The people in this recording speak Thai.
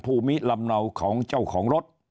ภูมิลำเนาของเจ้าของรถ